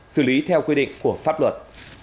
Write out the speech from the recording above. xử lý theo quy định của pháp luật